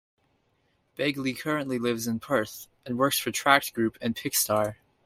Begley currently lives in Perth, and works for Tract Group and PickStar.